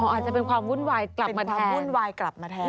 อาจจะเป็นความวุ่นวายกลับมาแทน